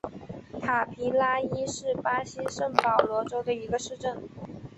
塔皮拉伊是巴西圣保罗州的一个市镇。